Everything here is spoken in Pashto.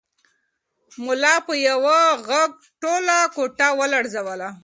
ملا په یوه غږ ټوله کوټه ولړزوله.